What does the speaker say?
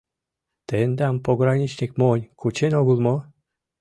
— Тендам пограничник монь кучен огыл мо?